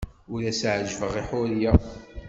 Ur as-ɛejjbeɣ i Ḥuriya.